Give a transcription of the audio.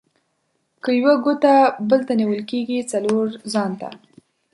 که یوه ګوته بل ته نيول کېږي؛ :څلور ځان ته.